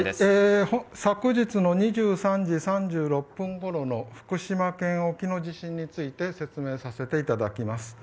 昨日の２３時３６分ごろの福島県沖の地震について説明させていただきます。